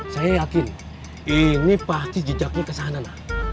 saya yakin ini pasti jejaknya ke sana nak